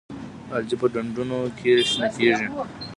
الجی په ډنډونو کې شنه کیږي